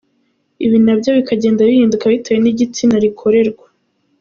Ibi na byo bikagenda bihinduka bitewe n’igitsina rikorerwa.